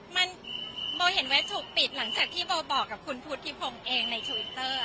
มันโบเห็นว่าถูกปิดหลังจากที่โบบอกกับคุณพุทธิพงศ์เองในทวิตเตอร์